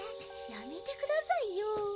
やめてくださいよ。